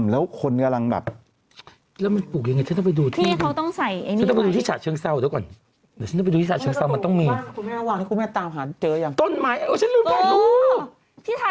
หนึ่งเรื่องที่นอกจากก้วยด่างนี้นะ